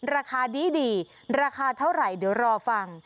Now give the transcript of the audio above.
ราคาดีราคาเท่าไหร่เดี๋ยวรอฟัง